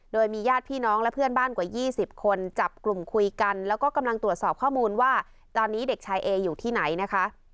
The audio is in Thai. โดยมีญาติพี่น้องและเพื่อนบ้านกว่า๒๐คนจับกลุ่มคุยกันแล้วก็กำลังตรวจสอบข้อมูลว่าตอนนี้เด็กชายเออยู่ที่ไหนนะคะ